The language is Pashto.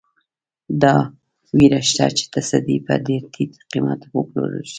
دا وېره شته چې تصدۍ په ډېر ټیټ قیمت وپلورل شي.